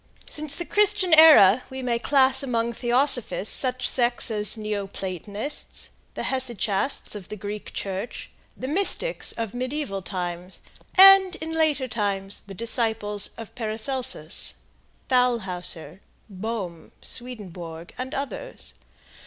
Since the Christian era we may class among theosophists such sects as Neo Platonists, the Hesychasts of the Greek Church, the Mystics of mediaeval times, and, in later times, the disciples of Paracelsus, Thalhauser, Bohme, Swedenborg and others.